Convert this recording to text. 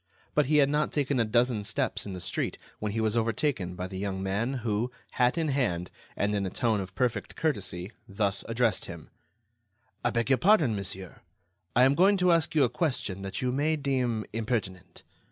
But he had not taken a dozen steps in the street, when he was overtaken by the young man who, hat in hand and in a tone of perfect courtesy, thus addressed him: "I beg your pardon, monsieur; I am going to ask you a question that you may deem impertinent.